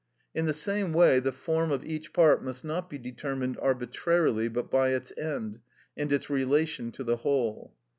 In the same way the form of each part must not be determined arbitrarily, but by its end, and its relation to the whole.